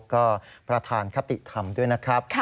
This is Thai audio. ก็ประธานคติธรรมด้วยนะครับ